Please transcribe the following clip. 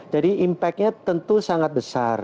jadi impactnya tentu sangat besar